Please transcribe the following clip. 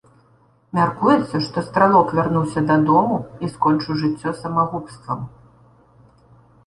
Мяркуецца што стралок вярнуўся дадому і скончыў жыццё самагубствам.